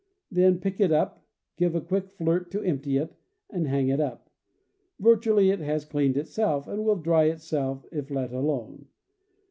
Then pick it up, give a quick flirt to empty it, and hang it up. Virtually it has cleaned itself, and will dry itself if let alone.